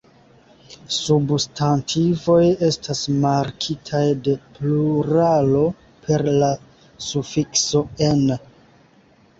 Substantivoj estas markitaj de pluralo per la sufikso "-en".